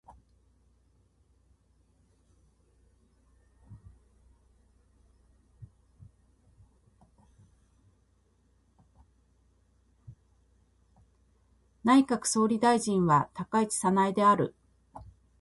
内閣総理大臣は高市早苗である。